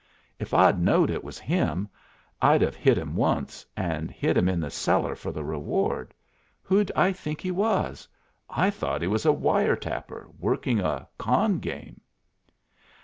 If I'd knowed it was him, I'd have hit him once, and hid him in the cellar for the reward. Who'd I think he was? I thought he was a wire tapper, working a con game!"